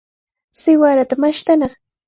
Siwarata mashtanaq.